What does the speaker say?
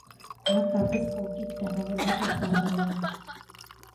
Նրանք կարծես կոկիկ տեղավորված են սառնարաններում։